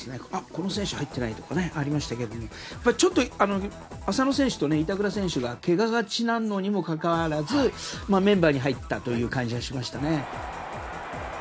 この選手入ってないとかありましたけど浅野選手と板倉選手が怪我がちなのにもかかわらずメンバーに入ったという感じがしましたね。